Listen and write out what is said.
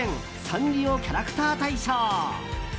サンリオキャラクター大賞。